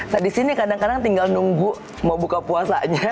nah di sini kadang kadang tinggal nunggu mau buka puasanya